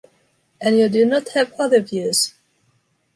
And you do not have other views?